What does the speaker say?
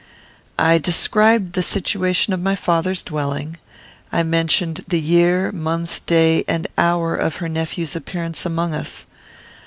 I described the situation of my father's dwelling. I mentioned the year, month, day, and hour of her nephew's appearance among us.